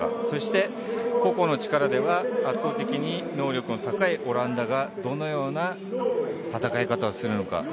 そして、個々の力では圧倒的に能力の高いオランダがどのような戦い方をするのか。